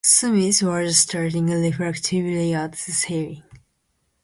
Smith was staring reflectively at the ceiling.